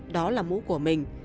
đó là mũ của mình